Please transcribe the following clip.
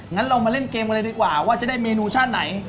งั้นเรามาเล่นเกมกันเลยดีกว่าว่าจะได้เมนูชาติไหน